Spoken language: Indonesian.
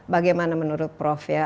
bagaimana menurut prof ya